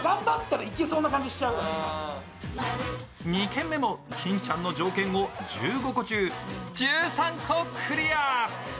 ２軒目も金ちゃんの条件を１５個中１３個クリア。